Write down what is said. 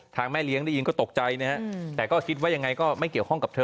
แม่เลี้ยงได้ยินก็ตกใจนะฮะแต่ก็คิดว่ายังไงก็ไม่เกี่ยวข้องกับเธอ